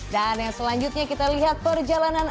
dan yang selanjutnya kita lihat perjalanan